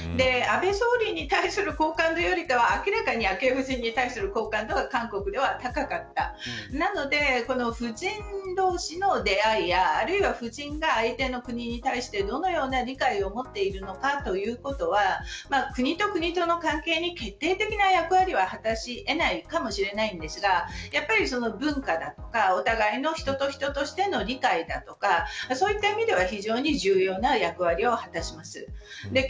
安倍総理に対する好感度よりかは明らかに昭恵夫人に対する好感度は韓国では高かったので夫人同志の出会いやあるいは夫人が相手の国に対してどのような理解を持っているのかということは国と国との関係に決定的な役割は果たし得ないかもしれないですがやっぱり文化だとかお互いの人と人としての理解だとかそういった意味では非常に重要な役割を果たします。